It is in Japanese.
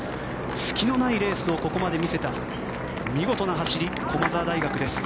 隙のないレースをここまで見せてきた見事な走り駒澤大学です。